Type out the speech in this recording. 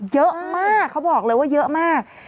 เยอะมากเขาบอกเลยว่าเยอะมาก